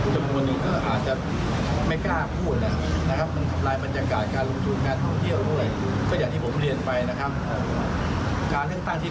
ทำไมไม่เข้าสู่ระบบทศพาไป